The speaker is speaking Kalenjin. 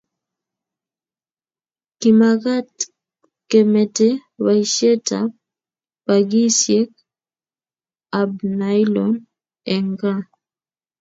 Kimakat kemete baisiet ab bagisiek abnailon eng kaa.